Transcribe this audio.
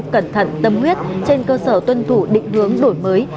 cẩn thận tâm huyết trên cơ sở tuân thủ định hướng đổi mới